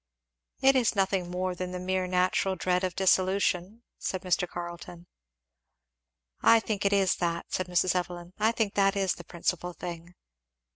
"It is nothing more than the mere natural dread of dissolution," said Mr. Carleton. "I think it is that," said Mrs. Evelyn, "I think that is the principal thing."